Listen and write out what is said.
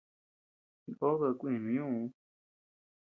Chindod bedkuinu ñuʼuu.